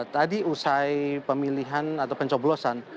tadi usai pemilihan atau pencoblosan